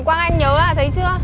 quang anh nhớ à thấy chưa